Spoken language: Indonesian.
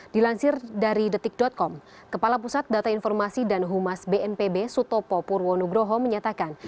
dilansir dari detik com kepala pusat data informasi dan humas bnpb sutopo purwonugroho menyatakan